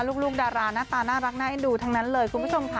ลูกดาราหน้าตาน่ารักน่าเอ็นดูทั้งนั้นเลยคุณผู้ชมค่ะ